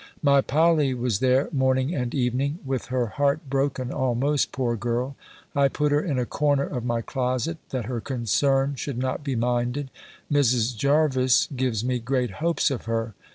My Polly was there morning and evening, with her heart broken almost, poor girl! I put her in a corner of my closet, that her concern should not be minded. Mrs. Jervis gives me great hopes of her.